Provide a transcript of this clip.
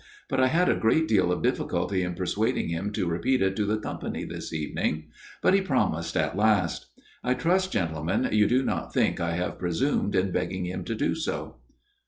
But I had a great deal of difficulty in persuading him to repeat it to the company this evening. But he promised at last. I trust, gentlemen, you do not think I have presumed in begging him to do so."